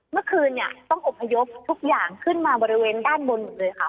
เมื่อคืนเนี่ยต้องอบพยพทุกอย่างขึ้นมาบริเวณด้านบนหมดเลยค่ะ